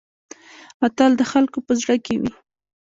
اتل د خلکو په زړه کې وي